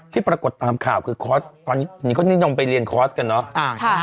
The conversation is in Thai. ปรากฏตามข่าวคือคอร์สตอนนี้เขานิยมไปเรียนคอร์สกันเนาะ